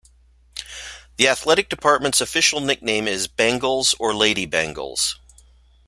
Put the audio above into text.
The athletic department's official nickname is Bengals or Lady Bengals.